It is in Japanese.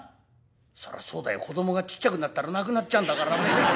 そりゃそうだよ子どもがちっちゃくなったらなくなっちゃうんだからね。